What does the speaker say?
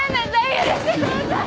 許してください。